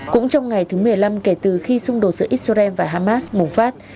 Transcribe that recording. cũng trong ngày thứ một mươi năm kể từ khi xung đột giữa israel và hamas bùng phát